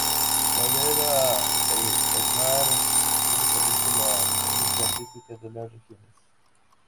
La idea era la de plasmar arquitectónicamente la esencia artística de las regiones.